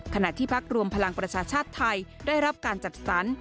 ที่พักรวมพลังประชาชาติไทยได้รับการจัดสรร